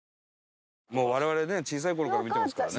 もう我々ね小さい頃から見てますからね。